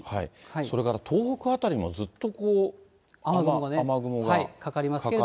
それから東北辺りもずっと雨雲がかかりますね。